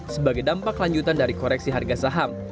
sebagai dampak lanjutan dari koreksi harga saham